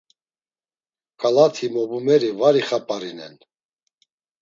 K̆alati mobumeri var ixap̌arinen.